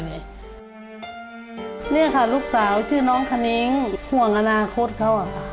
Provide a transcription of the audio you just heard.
เนี่ยครับลูกสาวชื่อน้องคณิงห่วงอนาคตเค้าอะค่ะ